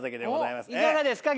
いかがですか？